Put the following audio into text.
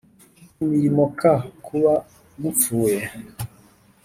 Imirimo k kuba gupfuye